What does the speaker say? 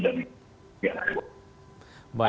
baik kita tunggu bagaimana andika perkasa akan merangkul aspirasi